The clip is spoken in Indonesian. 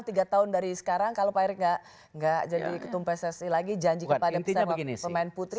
tiga tahun dari sekarang kalau pak erick nggak jadi ketum pssi lagi janji kepada pemain putri